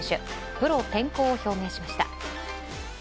プロ転向を表明しました。